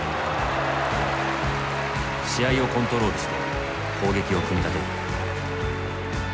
試合をコントロールして攻撃を組み立てる。